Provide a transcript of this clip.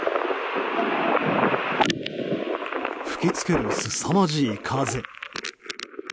吹き付けるすさまじい風。